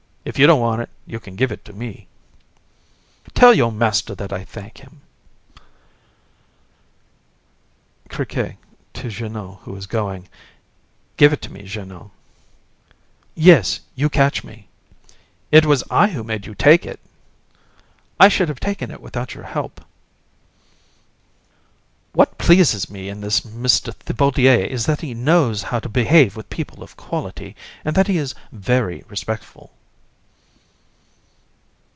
If you don't want it, you can give it me. COUN. Tell your master that I thank him. CRI. (to JEANNOT, who is going). Give it to me, Jeannot. JEA. Yes, you catch me. CRI. It was I who made you take it. JEA. I should have taken it without your help. COUN. What pleases me in this Mr. Thibaudier is that he knows how to behave with people of my quality, and that he is very respectful.